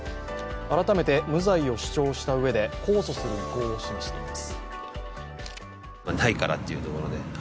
改めて無罪を主張したうえで控訴する意向を示しています。